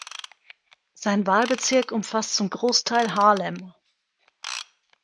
Sein Wahlbezirk umfasst zum Großteil Harlem.